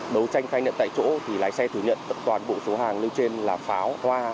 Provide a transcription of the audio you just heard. đấu tranh khai nhận tại chỗ thì lái xe thử nhận toàn bộ số hàng nêu trên là pháo hoa